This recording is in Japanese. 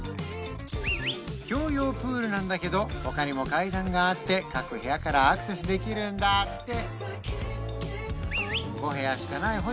共用プールなんだけど他にも階段があって各部屋からアクセスできるんだって